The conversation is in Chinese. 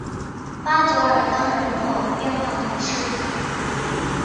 巴佐尔当人口变化图示